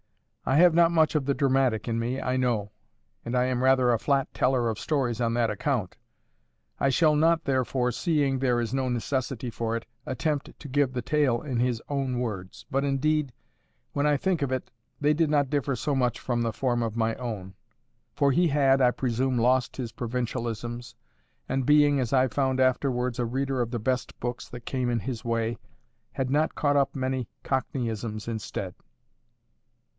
—I have not much of the dramatic in me, I know; and I am rather a flat teller of stories on that account. I shall not, therefore, seeing there is no necessity for it, attempt to give the tale in his own words. But, indeed, when I think of it, they did not differ so much from the form of my own, for he had, I presume, lost his provincialisms, and being, as I found afterwards, a reader of the best books that came in his way, had not caught up many cockneyisms instead.